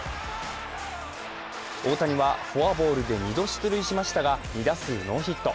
大谷はフォアボールで２度出塁しましたが２打数ノーヒット。